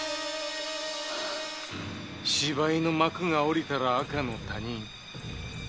芝居の幕が下りたらアカの他人。